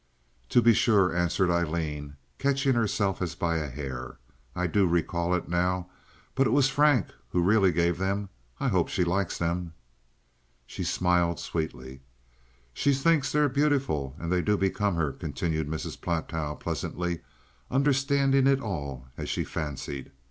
"To be sure," answered Aileen, catching herself as by a hair. "I do recall it now. But it was Frank who really gave them. I hope she likes them." She smiled sweetly. "She thinks they're beautiful, and they do become her," continued Mrs. Platow, pleasantly, understanding it all, as she fancied.